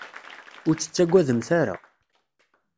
Ur tt-tettagademt ara.